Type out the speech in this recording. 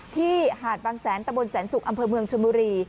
หาดบางแสนตะบนแสนศุกร์อำเภอเมืองชนบุรี